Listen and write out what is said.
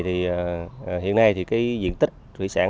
hiện nay diện tích thủy sản